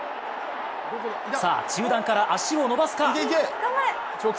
さあ、中団から脚を伸ばすか。